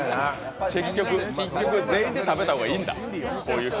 結局、全員で食べた方がいいんだ。